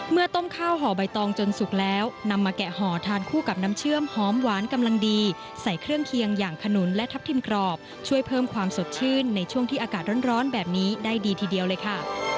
เมื่อต้มข้าวห่อใบตองจนสุกแล้วนำมาแกะห่อทานคู่กับน้ำเชื่อมหอมหวานกำลังดีใส่เครื่องเคียงอย่างขนุนและทับทิมกรอบช่วยเพิ่มความสดชื่นในช่วงที่อากาศร้อนแบบนี้ได้ดีทีเดียวเลยค่ะ